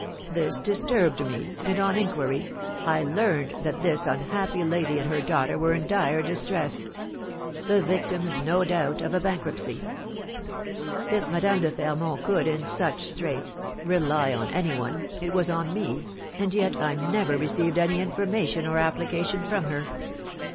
This disturbed me, and, on inquiry, I learned that this unhappy lady and her daughter were in dire distress, the victims, no doubt, of a bankruptcy. If Madame de Fermont could, in such straits, rely on any one, it was on me, and yet I never received any information or application from her.